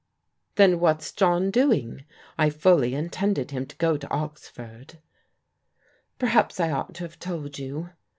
" Then what's John doing? I fully intended him to go to Oxford." " Perhaps I ought to have told you.